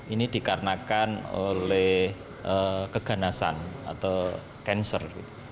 ini dikarenakan oleh keganasan atau cancer